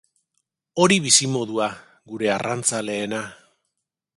Hori bizimodua, gure arrantzaleena!